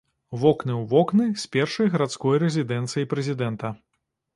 Вокны ў вокны з першай гарадской рэзідэнцыяй прэзідэнта.